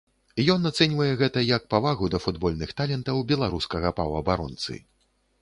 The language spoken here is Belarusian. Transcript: Ён ацэньвае гэта як павагу да футбольных талентаў беларускага паўабаронцы.